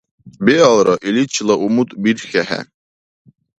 Биалра, иличира умут бирхьехӀе.